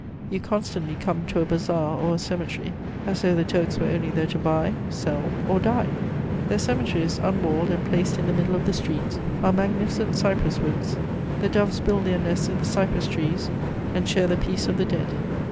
You constantly come to a bazaar or a cemetery, as though the Turks were only there to buy, sell, or die. The cemeteries, unwalled and placed in the middle of the streets, are magnificent cypress woods: the doves build their nests in the cypress trees and share the peace of the dead.